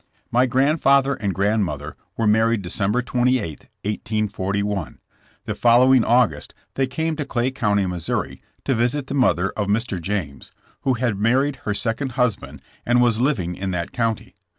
My grandfather and grandmother were married December 28, 1841. The following August they came to Clay County, Mo., to visit the mother of Mr. James, who had married her second husband and was living in that county.